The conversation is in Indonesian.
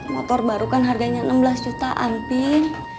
motor baru kan harganya enam belas jutaan pin